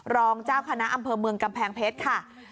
รองเจ้าคณะอำเภอเมืองกำแพงเพชรค่ะ